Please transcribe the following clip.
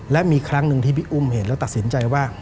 และมีครั้งหนึ่งที่พี่อุ้มเห็นแล้วตัดสินใจว่า